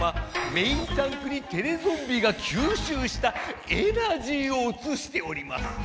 メインタンクにテレゾンビがきゅうしゅうしたエナジーをうつしております。